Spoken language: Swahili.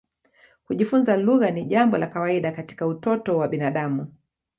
Kujifunza lugha ni jambo la kawaida katika utoto wa binadamu.